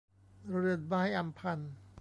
เรือนไม้อำพัน